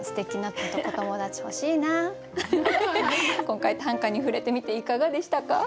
今回短歌に触れてみていかがでしたか？